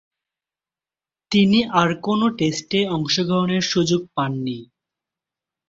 তিনি আর কোন টেস্টে অংশগ্রহণের সুযোগ পাননি।